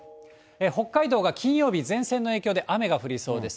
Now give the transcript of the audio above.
北海道が金曜日、前線の影響で雨が降りそうです。